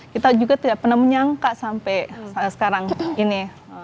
kita juga tidak pernah menyangka sampai sekarang ini